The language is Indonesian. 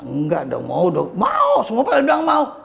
enggak dong mau dong mau semua pada bilang mau